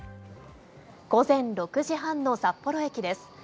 午前６時半の札幌駅です。